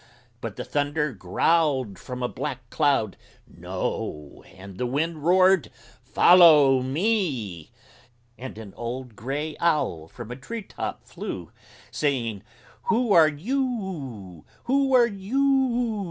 But the Thunder growled from a black cloud: "No!" And the Wind roared: "Follow me!" And an old gray Owl from a treetop flew, Saying: "Who are you oo? Who are you oo?"